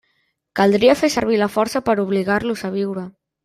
Caldria fer servir la força per a obligar-los a viure.